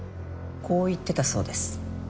こう言ってたそうです。